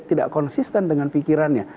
tidak konsisten dengan pikirannya